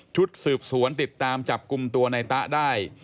ชุดสืบสวนติดตามจับกลุ่มตัวในตะได้